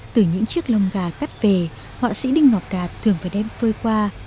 từ những chiếc lông gà cắt về họa sĩ đinh ngọc đạt thường phải đem phơi qua